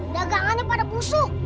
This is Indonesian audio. dagangannya pada busuk